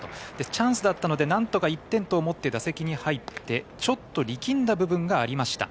チャンスだったのでなんとか１点と思って打席に入ってちょっと力んだ部分がありました。